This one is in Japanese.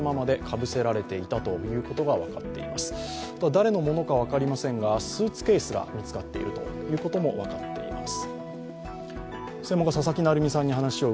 誰のものか分かりませんがスーツケースが見つかっているということも分かっています。